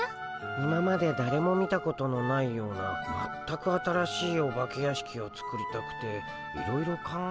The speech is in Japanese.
今までだれも見たことのないような全く新しいお化け屋敷を作りたくていろいろ考えているんだけど。